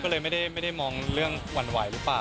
ก็เลยไม่ได้มองเรื่องหวั่นไหวหรือเปล่า